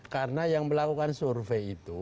karena yang melakukan survei itu